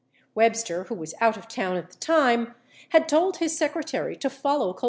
82 Webster, who was out of town at the time, had told his secretary to follow Colson's instructions.